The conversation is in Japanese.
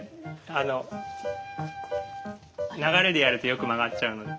あの流れでやるとよく曲がっちゃうので。